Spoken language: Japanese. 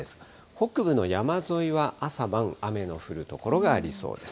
北部の山沿いは朝晩、雨の降る所がありそうです。